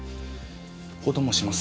お供します。